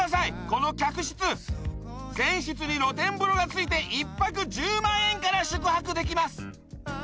この客室全室に露天風呂がついて１泊１０万円から宿泊できます